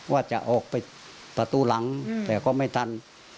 ว่าจะออกไปประตูหลังแต่ก็ไม่ทัน